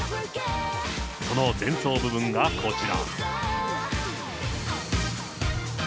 その前奏部分がこちら。